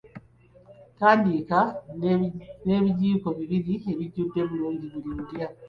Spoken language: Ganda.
Tandika n'ebijiiko bibiri ebijjudde obulungi buli lulya.